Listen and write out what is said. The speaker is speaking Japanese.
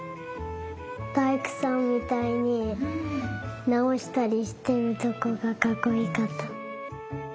だいくさんみたいになおしたりしてるとこがかっこいかった。